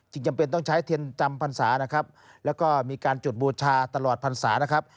จึงจำเป็นต้องใช้เทียนจำภัณฑาและมีการจุดบูชาตลอดภัณฑา